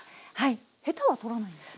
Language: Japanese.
ヘタはとらないんですね？